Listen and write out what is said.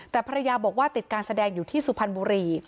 แต่ภรรยาบอกว่าติดการแสดงอยู่ที่สุพรรณบุรี